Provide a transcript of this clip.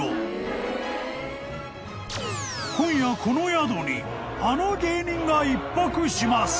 ［今夜この宿にあの芸人が１泊します］